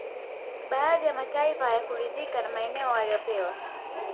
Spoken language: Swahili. Baadhi ya mataifa hayakuridhika na maeneo waliyopewa